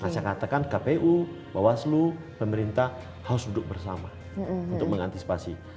saya katakan kpu bawaslu pemerintah harus duduk bersama untuk mengantisipasi